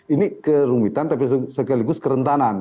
ini kerumitan tapi sekaligus kerentanan